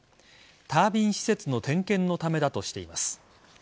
タービン施設の点検のためだとしています。